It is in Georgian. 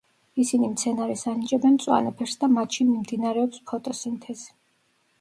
ისინი მცენარეს ანიჭებენ მწვანე ფერს და მათში მიმდინარეობს ფოტოსინთეზი.